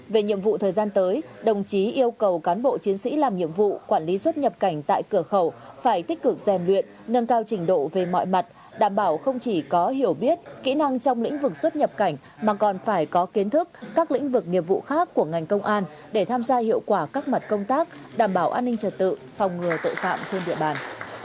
về nhiệm vụ thời gian tới đồng chí yêu cầu cán bộ chiến sĩ làm nhiệm vụ quản lý xuất nhập cảnh tại cửa khẩu phải tích cực dèm luyện nâng cao trình độ về mọi mặt đảm bảo không chỉ có hiểu biết kỹ năng trong lĩnh vực xuất nhập cảnh mà còn phải có kiến thức các lĩnh vực nghiệp vụ khác của ngành công an để tham gia hiệu quả các mặt công tác đảm bảo an ninh trật tự phòng ngừa tội phạm trên địa bàn